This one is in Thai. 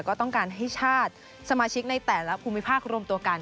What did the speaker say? ก็ต้องการให้ชาติสมาชิกในแต่ละภูมิภาครวมตัวกัน